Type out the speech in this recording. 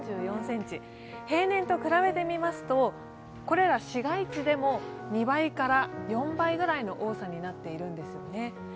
平年と比べてみますと、これら市街地でも２倍から４倍ぐらいの多さになっているんですよね。